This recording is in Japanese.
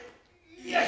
よし。